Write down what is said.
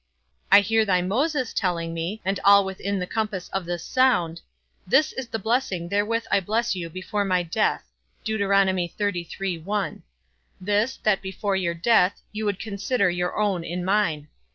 I hear thy Moses telling me, and all within the compass of this sound, This is the blessing wherewith I bless you before my death; this, that before your death, you would consider your own in mine.